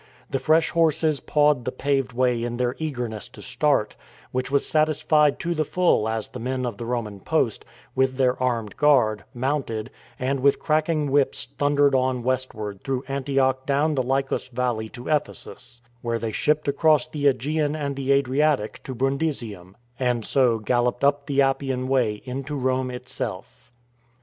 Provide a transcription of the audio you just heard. The fresh horses pawed the paved way in their eagerness to start, which was satisfied to the full as the men of the Roman post, with their armed guard, mounted, and with cracking whips thundered on westward through Antioch down the Lycus Valley to Ephesus, where they shipped across the ^gean and the Adriatic to Brundisium; and so galloped up the Appian Way into Rome itseff